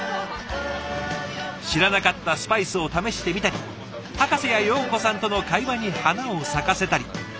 知らなかったスパイスを試してみたりハカセやヨーコさんとの会話に花を咲かせたり。